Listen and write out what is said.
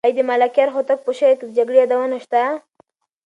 آیا د ملکیار هوتک په شعر کې د جګړې یادونه شته؟